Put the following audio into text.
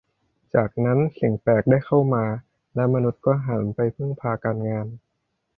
จากนั้นสิ่งแปลกได้เข้ามาและมนุษย์ก็หันไปพึ่งพาการงาน